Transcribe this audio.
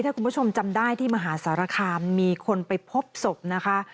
ถ้าคุณผู้ชมจำได้ที่มหาสารคามมีคนไปพบศพนะคะ